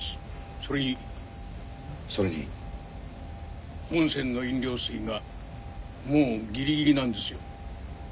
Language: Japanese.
それにそれに本船の飲料水がもうギリギリなんですよ